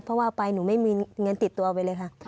เพราะว่าไปหนูไม่มีเงินติดตัวไปเลยค่ะ